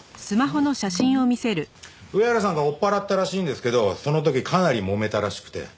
上原さんが追っ払ったらしいんですけどその時かなりもめたらしくて。